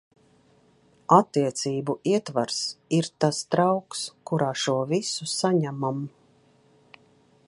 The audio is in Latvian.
Attiecību ietvars ir tas trauks, kurā šo visu saņemam.